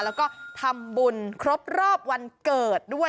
แล้วก็ทำบุญครบรอบวันเกิดด้วย